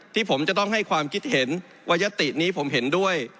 ที่ผมจะต้องให้ความคิดเห็นว่ายตินี้ผมเห็นด้วย